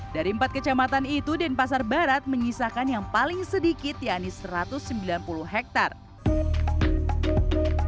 dari empat kecamatan itu denpasar barat menyisakan yang paling sedikit yakni satu ratus sembilan puluh hektare